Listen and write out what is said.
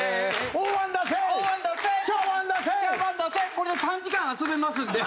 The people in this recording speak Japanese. これで３時間遊べますんで。